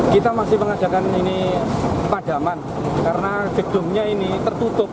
kita masih mengadakan ini padaman karena gedungnya ini tertutup